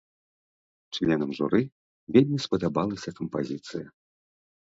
Членам журы вельмі спадабалася кампазіцыя.